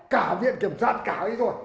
cả viện kiểm soát cả cái rồi